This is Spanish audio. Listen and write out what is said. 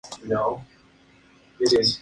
Estos habían sido trasladados por sus ejecutores.